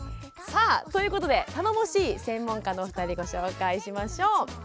さあということで頼もしい専門家のお二人ご紹介しましょう。